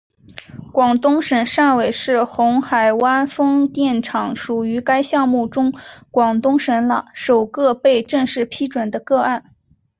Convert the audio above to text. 广东省汕尾市红海湾风电厂属于该项目中广东省首个被正式批准的个案。